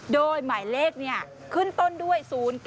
โดยหมายเลขเนี่ยขึ้นต้นด้วย๐๙๓๔๗๓